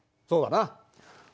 そうだな。